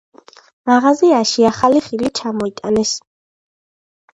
მაღაზიაში ახალი ხილი ჩამოიტანეს.